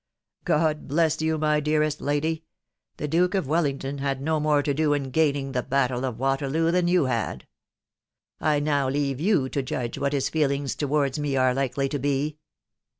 ... God bless you, my dearest lady ! the Duke of Wellington had no more to do in gaining the battle of Waterloo than yon had. .... I now leave you to judge what his feelings towards me are likely to be."